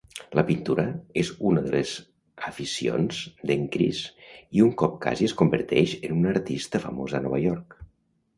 La pintura és una de les aficions de"n Chris i un cop casi es converteix en un artista famós a Nova York.